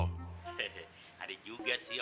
hehehe ada juga sih